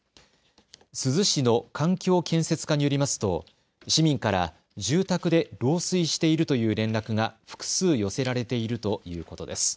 珠洲市の環境建設課によりますと市民から住宅で漏水しているという連絡が複数、寄せられているということです。